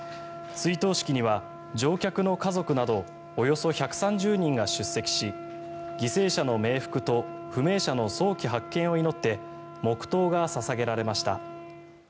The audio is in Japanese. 追悼式には乗客の家族などおよそ１３０人が出席し犠牲者の冥福と不明者の早期発見を祈って黙祷が捧げられました。